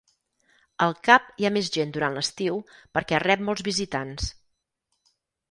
Al Cap hi ha més gent durant l'estiu perquè rep molts visitants.